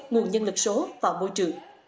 nguồn nhân lực số và môi trường